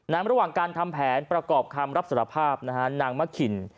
ระหว่างการทำแผนประกอบคำรับสารภาพนะฮะนางมะขิน